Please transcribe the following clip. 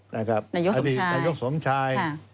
นายกสมชาย